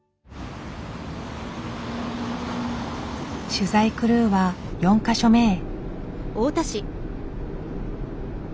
取材クルーは４か所目へ。